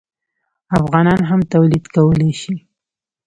افغانان هم تولید کولی شي.